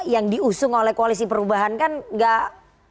yang diusung oleh koalisi perubahan kan nggak